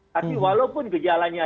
tapi walaupun kejalannya